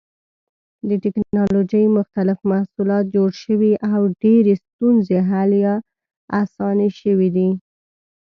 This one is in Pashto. د ټېکنالوجۍ مختلف محصولات جوړ شوي او ډېرې ستونزې حل یا اسانې شوې دي.